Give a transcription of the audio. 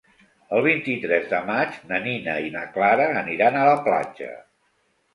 El vint-i-tres de maig na Nina i na Clara aniran a la platja.